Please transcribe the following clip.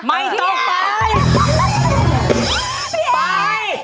ไม่ต้องไป